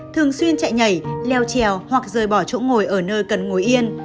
thường xuyên chạy nhảy leo trèo hoặc rời bỏ chỗ ngồi ở nơi cần ngồi yên